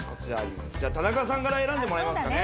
じゃあ田中さんから選んでもらいますかね。